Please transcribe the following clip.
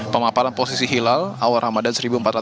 pemaparan posisi hilal awal ramadan